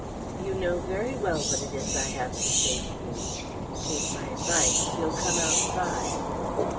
"You know very well what it is I have to say to you. If you take my advice, you'll come outside."